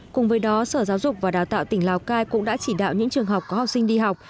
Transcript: cùng với đó sở giáo dục và đào tạo tỉnh lào cai cũng đã chỉ đạo những trường học có học sinh đi học